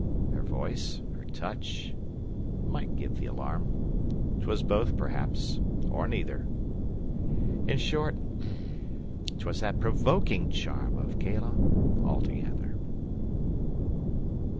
Her voice, her touch, might give th' alarm 'Twas both perhaps, or neither; In short, 'twas that provoking charm Of Cælia altogether.